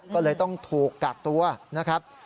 ก็เลยต้องถูกกักตัวนะครับ